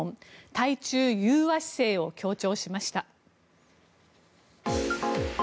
対中融和姿勢を強調しました。